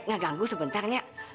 nggak ganggu sebenternya